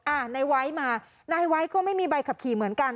นายไว้มานายไว้ก็ไม่มีใบขับขี่เหมือนกัน